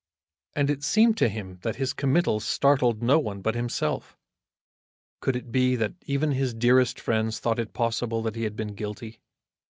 And it seemed to him that his committal startled no one but himself. Could it be that even his dearest friends thought it possible that he had been guilty?